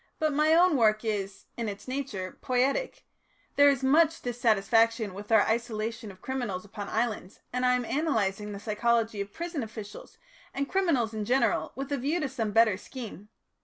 "But my own work is, in its nature, poietic; there is much dissatisfaction with our isolation of criminals upon islands, and I am analysing the psychology of prison officials and criminals in general with a view to some better scheme.